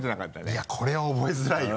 いやこれは覚えづらいよ。